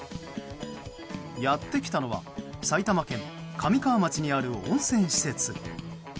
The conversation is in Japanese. やってきたのは埼玉県神川町にある温泉施設。